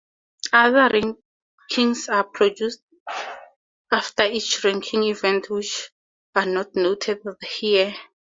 Other rankings are produced after each ranking event which are not noted here.